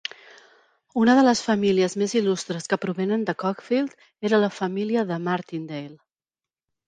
Una de les famílies més il·lustres que provenen de Cockfield era la família de Martindale.